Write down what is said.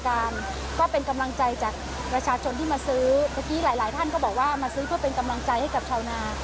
แล้วก็อยากให้เสียงสะท้อนเหล่านี้กลับไปยังพี่น้องชาวนาไทยว่า